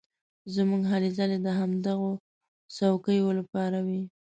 زموږ هلې ځلې د همدغو څوکیو لپاره وې.